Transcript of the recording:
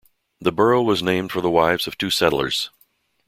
The borough was named for the wives of two settlers.